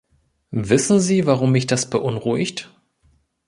Wissen Sie, warum mich das beunruhigt?